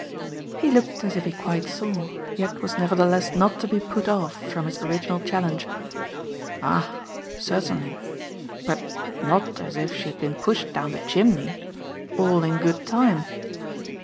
He looked as if he quite saw, yet was nevertheless not to be put off from his original challenge. "Ah certainly; but not as if she had been pushed down the chimney. All in good time."